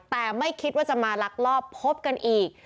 แต่ไม่คิดว่าจะมาลักลอบพบกันอีก